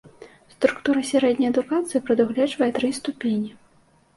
Структура сярэдняй адукацыі прадугледжвае тры ступені.